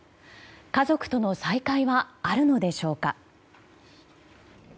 家族との再会はあるのでしょうか。